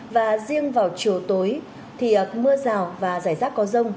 và riêng vào chiều tối thì mưa rào và rải rác có rông